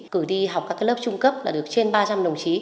cử đi học các lớp trung cấp là được trên ba trăm linh đồng chí